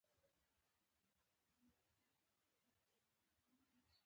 موږ له یوه ترخه واقعیت سره مخامخ یو.